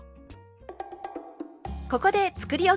ここでつくりおき